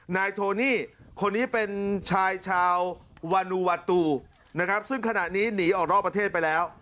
นายโทนี่คนนี้เป็นชายชาววานูวาตูนะครับซึ่งขณะนี้หนีออกนอกประเทศไปแล้ว